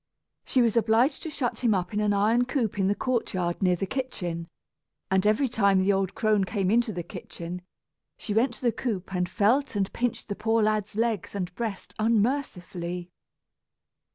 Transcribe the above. She was obliged to shut him up in an iron coop in the courtyard near the kitchen; and every time the old crone came into the kitchen, she went to the coop and felt and pinched the poor lad's legs and breast unmercifully.